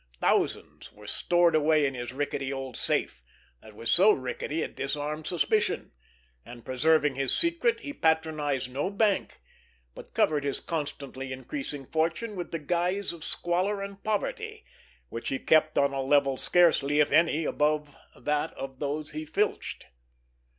Thousands were stored away in his rickety old safe, that was so rickety it disarmed suspicion; and, preserving his secret, he patronized no bank, but covered his constantly increasing fortune with the guise of squalor and poverty, which he kept on a level scarcely, if any, above that of those he filched.